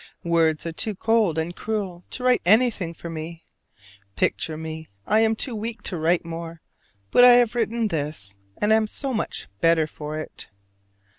Words are too cold and cruel to write anything for me. Picture me: I am too weak to write more, but I have written this, and am so much better for it.